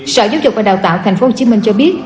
sở giáo dục và đào tạo tp hcm cho biết